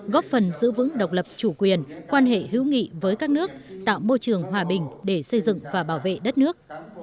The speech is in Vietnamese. góp phần giữ vững độc lập chủ quyền quan hệ hữu nghị với các nước tạo môi trường hòa bình để xây dựng và bảo vệ đất nước